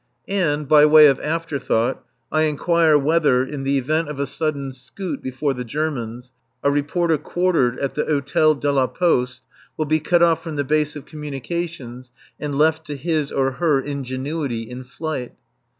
And, by way of afterthought, I inquire whether, in the event of a sudden scoot before the Germans, a reporter quartered at the Hôtel de la Poste will be cut off from the base of communications and left to his or her ingenuity in flight?